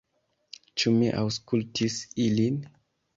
Ĉu mi aŭskultis ilin?